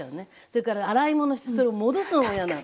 それから洗い物してそれを戻すのも嫌なの。